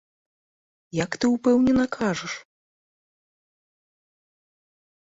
Як ты ўпэўнена кажаш!